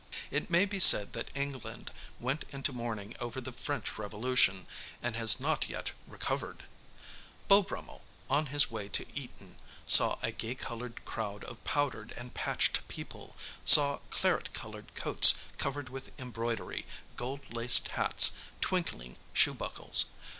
It may be said that England went into mourning over the French Revolution, and has not yet recovered. Beau Brummell, on his way to Eton, saw a gay coloured crowd of powdered and patched people, saw claret coloured coats covered with embroidery, gold laced hats, twinkling shoe buckles.